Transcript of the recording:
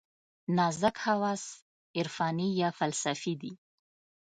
نازک حواس عرفاني یا فلسفي دي.